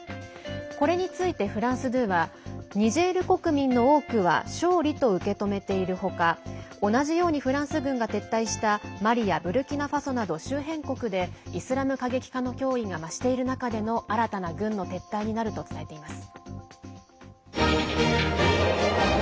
これについてフランス２はニジェール国民の多くは勝利と受け止めている他同じようにフランス軍が撤退したマリやブルキナファソなど周辺国でイスラム過激派の脅威が増している中での新たな軍の撤退になると伝えています。